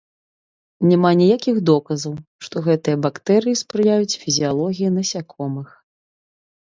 Няма ніякіх доказаў, што гэтыя бактэрыі спрыяюць фізіялогіі насякомых.